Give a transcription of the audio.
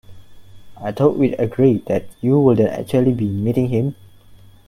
I thought we'd agreed that you wouldn't actually be meeting him?